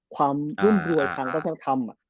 ความรุ่นบรวยความกระทั่งธรรม